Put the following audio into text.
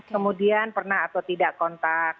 kemudian pernah atau tidak kontak